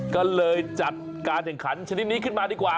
ก็เลยจัดการแข่งขันชนิดนี้ขึ้นมาดีกว่า